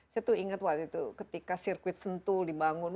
saya tuh inget ketika circuit sentul dibangun